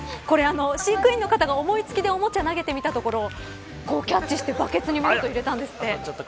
飼育員の方が思い付きでおもちゃを投げてみたところキャッチしてバケツに入れたそうです。